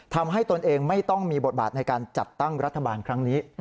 ตนเองไม่ต้องมีบทบาทในการจัดตั้งรัฐบาลครั้งนี้